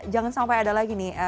jangan sampai ada lagi nih